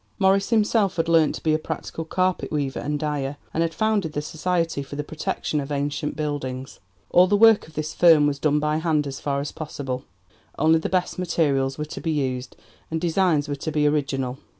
Morris himself had learnt to be a practical carpet weaver and dyer, and had founded the Society for the Protection of Ancient Buildings. All the work of this firm was done by hand as far as possible; only the best materials were to be used and designs were to be original.